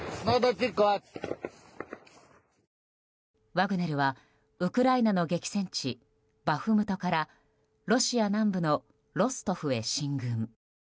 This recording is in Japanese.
ワグネルはウクライナの激戦地バフムトからロシア南部のロストフへ進軍。